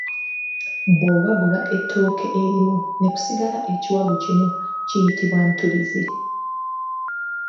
Bw’owagula ettooke erimu ne kusigala ekiwagu kimu kiyitibwa ntuulirzi.